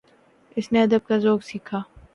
اس نے ادب کا ذوق سیکھا